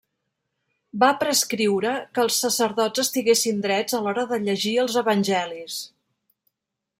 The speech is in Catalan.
Va prescriure que els sacerdots estiguessin drets a l'hora de llegir els evangelis.